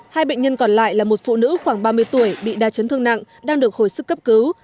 hai bệnh nhân còn lại là một phụ nữ khoảng ba mươi tuổi bị đa chấn thương nặng đang được hồi sức cấp cứu